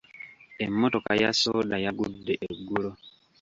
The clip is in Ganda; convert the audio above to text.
Emmotoka ya sooda yagudde eggulo.